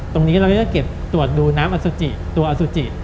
ตรงนี้เราก็จะเก็บตรวจดูน้ำอสุจิตัวอสุจิ